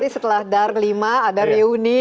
siapa tau nanti setelah dar lima ada reuni